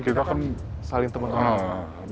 kita kan saling teman teman